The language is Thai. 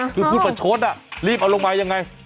คือพูดประชดรีบเอาลงมายังไง